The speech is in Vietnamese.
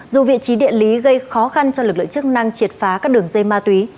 dù vị trí địa lý gây khó khăn cho lực lượng chức năng triệt phá các đường dây ma túy